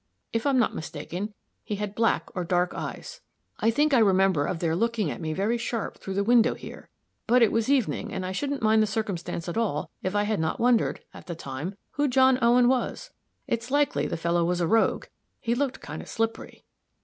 If I'm not mistaken, he had black or dark eyes. I think I remember of their looking at me very sharp through the window here. But it was evening, and I shouldn't mind the circumstance at all if I had not wondered, at the time, who John Owen was. It's likely the fellow was a rogue he looked kind of slippery."